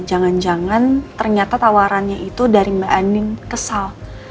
jangan jangan ternyata tawarannya itu dari mbak anding kesal